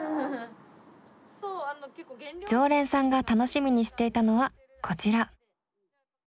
常連さんが楽しみにしていたのはこちら。